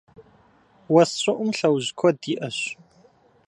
Уэс щӀыӀум лъэужь куэд иӀэщ.